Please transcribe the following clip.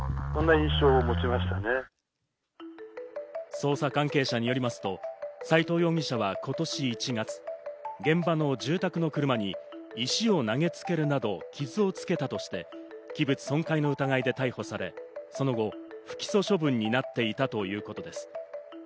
捜査関係者によりますと斎藤容疑者は今年１月、現場の住宅の車に石を投げつけるなど傷をつけたとして器物損壊の疑いで逮捕され、その後、不起訴処分になっていたということです。